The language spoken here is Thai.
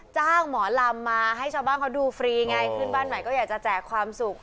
หมอลำมาให้ชาวบ้านเขาดูฟรีไงขึ้นบ้านใหม่ก็อยากจะแจกความสุข